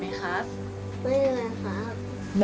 ไม่เหนื่อยครับ